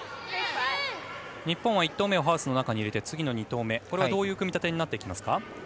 日本は１投目をハウスの中に入れて次の２投目は、どういう組み立てになってきますか？